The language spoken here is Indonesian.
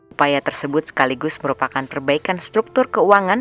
upaya tersebut sekaligus merupakan perbaikan struktur keuangan